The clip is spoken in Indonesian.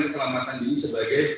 keselamatan diri sebagai